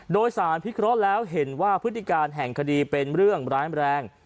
โดยสารพิเคราะห์แล้วเห็นว่าพฤติการแห่งคดีเป็นเรื่องร้ายแรง